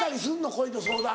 恋の相談。